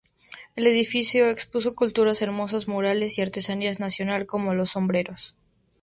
El edificio expuso esculturas, hermosos murales y artesanía nacional, como los sombreros.